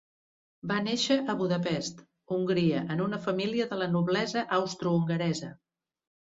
Va néixer a Budapest, Hongria en una família de la noblesa austrohongaresa.